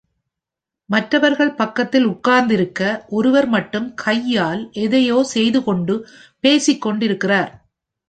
மற்றவர்கள் பக்கத்தில் உட்கார்ந்திருக்க, ஒருவர் மட்டும் கையால் எதையோ செய்து கொண்டு பேசிக் கொண்டிருக்கிறார்.